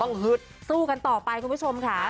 ฮึดสู้กันต่อไปคุณผู้ชมค่ะ